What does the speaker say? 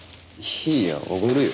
いいよおごるよ。